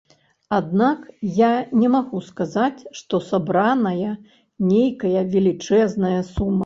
Аднак я не магу сказаць, што сабраная нейкая велічэзная сума.